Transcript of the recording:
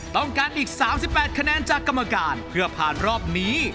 ต้องการอีก๓๘คะแนนจากกรรมการเพื่อผ่านรอบนี้